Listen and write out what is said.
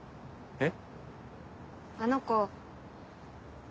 えっ？